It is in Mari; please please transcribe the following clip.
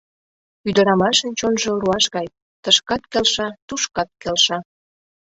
Ӱдырамашын чонжо руаш гай: тышкат келша, тушкат келша.